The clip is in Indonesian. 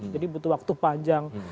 jadi butuh waktu panjang